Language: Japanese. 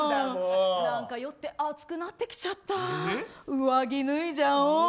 何か酔って熱くなってきちゃった上着脱いじゃおう。